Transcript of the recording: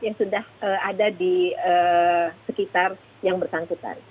yang sudah ada di sekitar yang bersangkutan